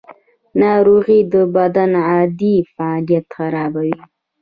ناروغي د بدن عادي فعالیت خرابوي.